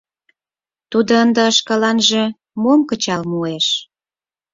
Тудыжо ынде шкаланже мом кычал муэш?